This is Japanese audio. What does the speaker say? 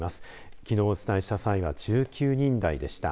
きのう、お伝えした際は１９人台でした。